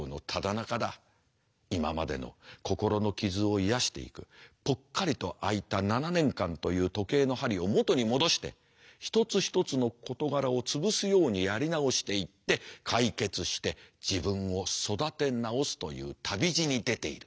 今までの心の傷を癒やしていくぽっかりと空いた７年間という時計の針を元に戻して一つ一つの事柄を潰すようにやり直していって解決して自分を育て直すという旅路に出ている。